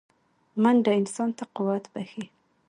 منډه انسان ته قوت بښي